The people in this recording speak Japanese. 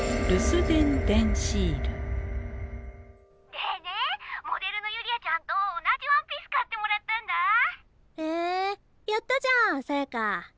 でねモデルのユリアちゃんと同じワンピース買ってもらったんえやったじゃんさやか！